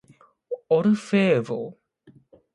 オルフェーヴル